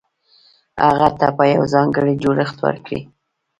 هغه ته به يو ځانګړی جوړښت ورکړي.